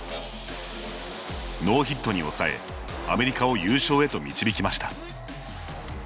ノーヒットに抑えアメリカを優勝へと導きました。